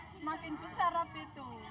semakin besar api itu